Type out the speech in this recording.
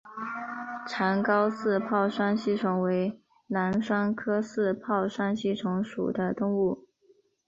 长睾似泡双吸虫为囊双科似泡双吸虫属的动物。